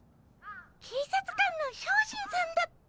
警察官の小心さんだっ。